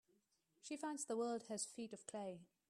She finds the world has feet of clay.